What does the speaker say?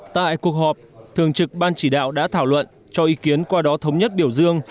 tại cuộc họp thường trực ban chỉ đạo đã thảo luận cho ý kiến qua đó thống nhất biểu dương